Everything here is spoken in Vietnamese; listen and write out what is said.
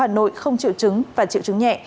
hà nội không triệu chứng và triệu chứng nhẹ